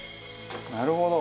なるほど。